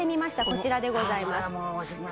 こちらでございます。